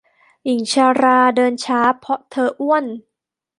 หญิงชราเดินช้าเพราะเธออ้วน